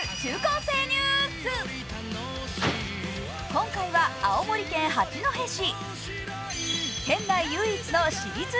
今回は青森県八戸市。